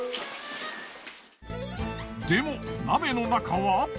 でも鍋の中は。